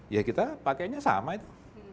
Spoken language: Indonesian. ya kita pakainya sama itu